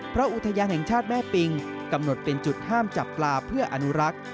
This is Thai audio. เพราะอุทยานแห่งชาติแม่ปิงกำหนดเป็นจุดห้ามจับปลาเพื่ออนุรักษ์